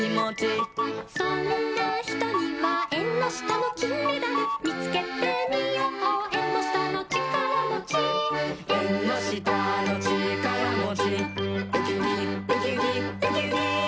「そんなひとにはえんのしたのきんメダル」「みつけてみようえんのしたのちからもち」「えんのしたのちからもち」「ウキウキウキウキウキウキ」